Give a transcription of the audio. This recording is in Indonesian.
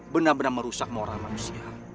benar benar merusak moral manusia